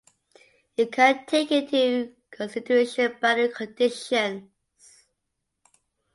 It can take into consideration boundary conditions.